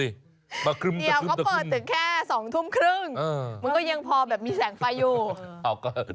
เดี๋ยวเขาเปิดถึงแค่สองทุ่มครึ่งมันก็ยังพอแบบมีแสงไฟอยู่